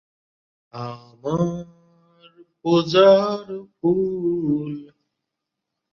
যা ফিফা সিরিজের ইতিহাসে প্রথম।